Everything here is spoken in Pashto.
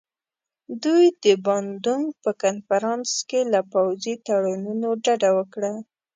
دوی د باندونک په کنفرانس کې له پوځي تړونونو ډډه وکړه.